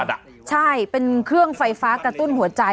ใช่เป็นเครื่องไฟฟ้ากระตุ้นหัวใจ